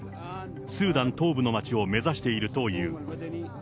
スーダン東部の町を目指しているという。